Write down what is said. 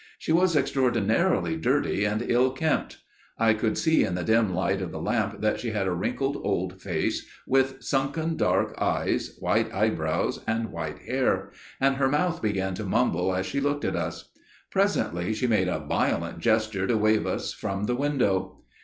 She was extraordinarily dirty and ill kempt. I could see in the dim light of the lamp that she had a wrinkled old face, with sunken dark eyes, white eyebrows, and white hair; and her mouth began to mumble as she looked at us. Presently she made a violent gesture to wave us from the window.